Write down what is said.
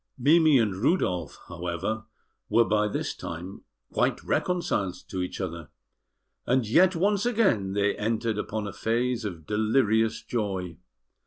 Mimi and Rudolf, however, were by this time quite reconciled to each other, and yet once again they entered upon a phase of delirious joy.